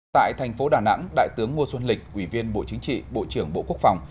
tại thành phố đà nẵng đại tướng ngô xuân lịch ủy viên bộ chính trị bộ trưởng bộ quốc phòng